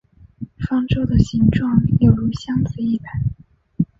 方舟的形状有如箱子一般。